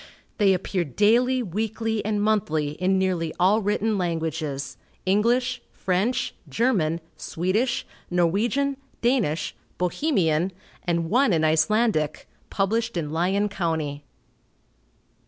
They appear daily, weekly and monthly, in nearly all written languages, English, French, German, Swedish, Norwegian, Danish, Bohemian, and one in Icelandic, published in Lyon county.